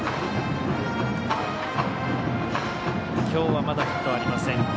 きょうはまだヒットありません。